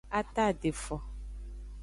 A taadefo.